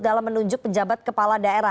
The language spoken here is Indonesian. dalam menunjuk pejabat kepala daerah